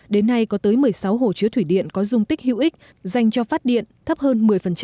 đến nay có tới một mươi sáu hồ chứa thủy điện có dung tích hữu ích dành cho phát điện thấp hơn một mươi